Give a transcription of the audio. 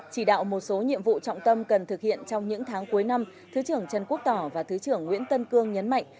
chỉ đạo một số nhiệm vụ trọng tâm cần thực hiện trong những tháng cuối năm thứ trưởng trần quốc tỏ và thứ trưởng nguyễn tân cương nhấn mạnh